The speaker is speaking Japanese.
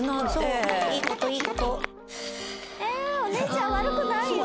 ええお姉ちゃん悪くないよ。